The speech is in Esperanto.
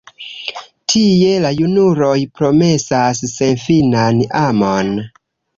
Tie la junuloj promesas senfinan amon.